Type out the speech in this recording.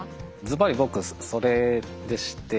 ずばり僕それでして。